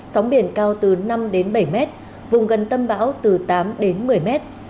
sóng biển cao từ năm đến bảy mét vùng gần tâm bão từ tám đến một mươi mét